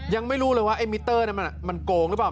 ยังไม่รู้เลยว่าไอ้มิเตอร์นั้นมันโกงหรือเปล่า